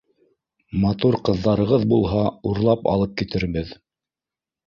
Матур ҡыҙҙарығыҙ булһа, Урлап алып китербеҙ